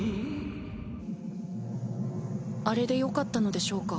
あれでよかったのでしょうか？